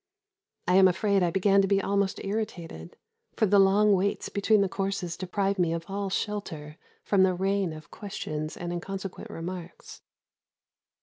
I am afraid I began to be almost irritated, for the long waits between the courses deprived me of all shelter from the rain of questions and inconsequent remarks.